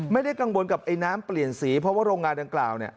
ไม่ได้กังวลกับไอ้น้ำเปลี่ยนสีเพราะว่าโรงงานดังกล่าวเนี่ย